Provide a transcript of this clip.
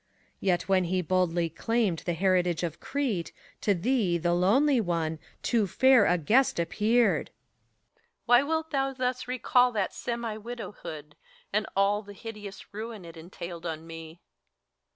PHORKYAS. Yet when he boldly claimed the heritage of Crete, To thee, the lonely one, too fair a guest appeared. HELENA. Why wilt thou thus recall that semi widowhood, And all the hideous ruin it entailed on met PHORKYAS.